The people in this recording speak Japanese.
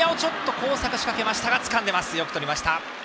交錯しかけましたがつかみました、よくとりました。